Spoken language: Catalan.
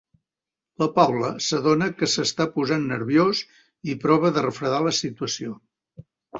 La Paula s'adona que s'està posant nerviós i prova de refredar la situació.